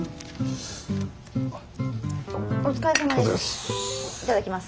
お疲れさまです。